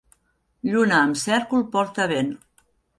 Lluna amb cèrcol porta vent.